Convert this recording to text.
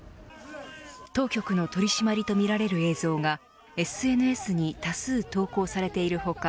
当局の取り締まりとみられる映像がＳＮＳに多数投稿されている他